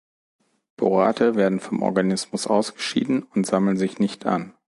Borate werden vom Organismus ausgeschieden und sammeln sich nicht an.